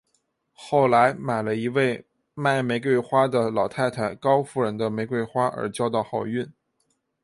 后来买了一位卖玫瑰花的老太太高夫人的玫瑰花而交到好运。